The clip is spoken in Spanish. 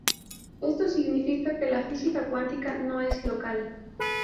Esto significa que la física cuántica no es local.